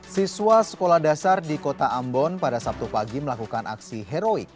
siswa sekolah dasar di kota ambon pada sabtu pagi melakukan aksi heroik